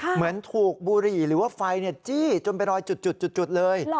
เหมือนถูกบุหรี่หรือว่าไฟจี้จนเป็นรอยจุดเลย